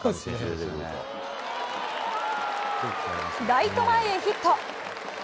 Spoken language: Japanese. ライト前へヒット。